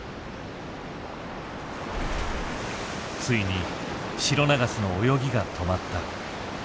ついにシロナガスの泳ぎが止まった。